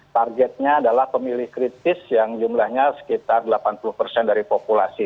targetnya adalah pemilih kritis yang jumlahnya sekitar delapan puluh persen dari populasi